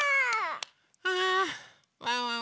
ああワンワン